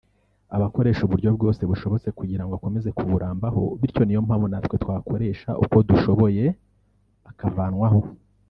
arakoresha uburyo bwose bushobotse kugira ngo akomeze kuburambaho bityo niyo mpamvu natwe twakoresha uko dushoboye akavanwaho